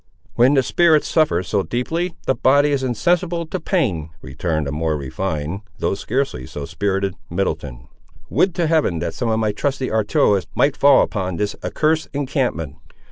"When the spirit suffers so deeply, the body is insensible to pain," returned the more refined, though scarcely so spirited Middleton; "would to Heaven that some of my trusty artillerists might fall upon this accursed encampment!"